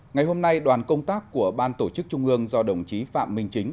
ngày hôm nay đoàn công tác của ban tổ chức trung ương do đồng chí phạm minh chính